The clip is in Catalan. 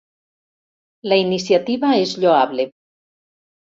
La iniciativa és lloable.